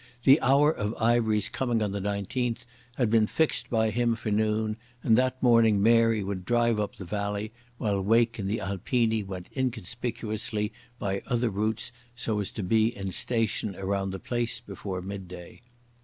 The hour of Ivery's coming on the 19th had been fixed by him for noon, and that morning Mary would drive up the valley, while Wake and the Alpini went inconspicuously by other routes so as to be in station around the place before midday.